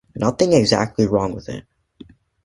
Nothing exactly wrong with it.